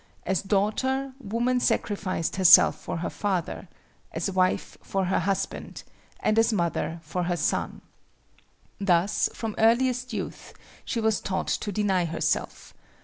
As daughter, woman sacrificed herself for her father, as wife for her husband, and as mother for her son. Thus from earliest youth she was taught to deny herself.